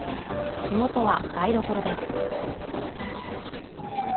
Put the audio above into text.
火元は台所です。